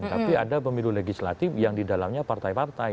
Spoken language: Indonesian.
tapi ada pemilu legislatif yang didalamnya partai partai